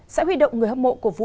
sẽ huy động người hấp mộ cổ vũ